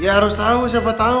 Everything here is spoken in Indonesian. ya harus tahu siapa tahu